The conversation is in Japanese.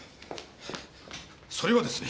それはですね